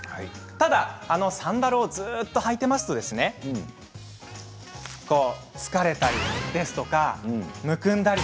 ただサンダルをずっと履いていますと疲れたりむくんだり。